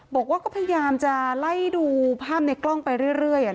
บอกว่าก็พยายามจะไล่ดูภาพในกล้องไปเรื่อย